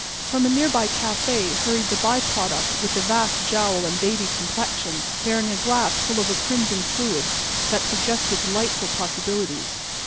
From a nearby café hurried the by product with the vast jowl and baby complexion, bearing a glass full of a crimson fluid that suggested delightful possibilities.